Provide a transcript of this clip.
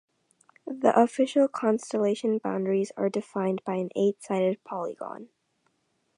The official constellation boundaries are defined by an eight-sided polygon.